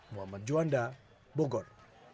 muhammad juanda bogor